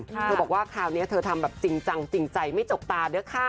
เธอบอกว่าคราวนี้เธอทำแบบจริงจังจริงใจไม่จกตาด้วยค่ะ